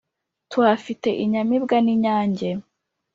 Tuhafite inyamibwa n'inyange